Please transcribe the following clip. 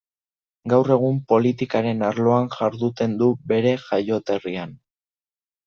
Gaur egun politikaren arloan jarduten du bere jaioterrian.